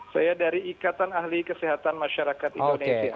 saya dari ikatan ahli kesehatan masyarakat indonesia